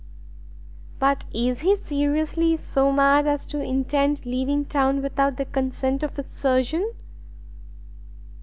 "But is he, seriously, so mad as to intend leaving town without the consent of his surgeon?"